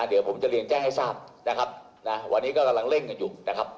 เดี๋ยวผมจะเรียนแจ้งให้ทราบวันนี้ก็ต้องเร่งกันอยู่